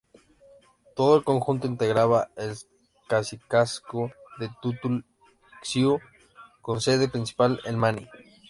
Todo el conjunto integraba el cacicazgo de Tutul Xiu con sede principal en Maní.